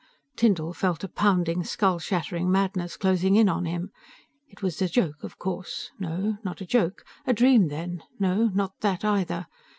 Tyndall felt a pounding, skull shattering madness closing in on him. This was a joke, of course. No, no joke. A dream then? No, not that either.